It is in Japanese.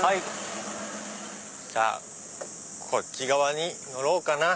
じゃあこっち側に乗ろうかな。